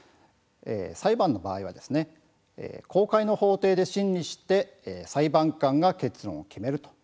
裁判というのは公開の法廷で審理して裁判官が結論を決めます。